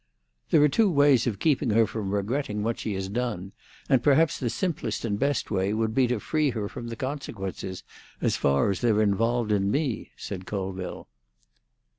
"There are two ways of keeping her from regretting what she has done; and perhaps the simplest and best way would be to free her from the consequences, as far as they're involved in me," said Colville.